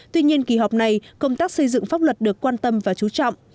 tuy nhiên kỳ họp này công tác xây dựng pháp luật được quan tâm và chú trọng